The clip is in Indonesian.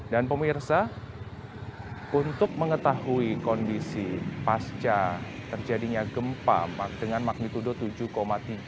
dan pemirsa untuk mengetahui kondisi pasca terjadinya gempa dengan magnitudo tujuh tiga